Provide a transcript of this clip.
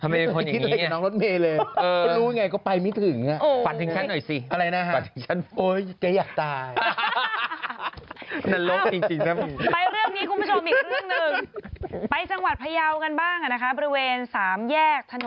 ทำไมเป็นคนอย่างนี้อ่ะก็รู้ไงก็ไปไม่ถึงทำไมเป็นคนอย่างนี้อ่ะ